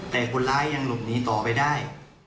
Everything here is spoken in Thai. แต่คนร้ายยังหลบหนีต่อไปได้